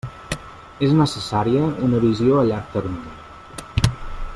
És necessària una visió a llarg termini.